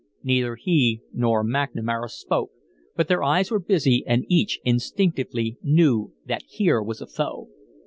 Neither he nor McNamara spoke, but their eyes were busy and each instinctively knew that here was a foe.